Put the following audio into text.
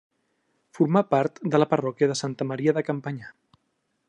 Formà part de la parròquia de Santa Maria de Campanyà.